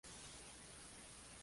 Es una especie paleártica.